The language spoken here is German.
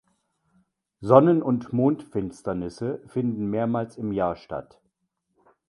Sonnen- und Mondfinsternisse finden mehrmals im Jahr statt.